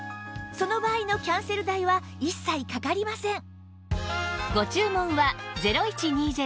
その場合のキャンセル代は一切かかりません